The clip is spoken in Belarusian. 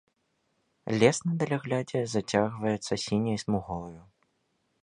Лес на даляглядзе зацягваецца сіняй смугою.